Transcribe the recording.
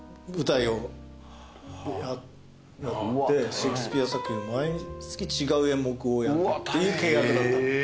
シェイクスピア作品を毎月違う演目をやるっていう契約だったの。